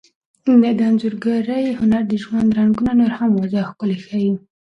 د انځورګرۍ هنر د ژوند رنګونه نور هم واضح او ښکلي ښيي.